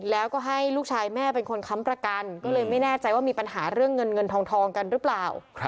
แล้วก็ให้ลูกชายแม่เป็นคนค้ำประกันก็เลยไม่แน่ใจว่ามีปัญหาเรื่องเงินเงินทองกันหรือเปล่า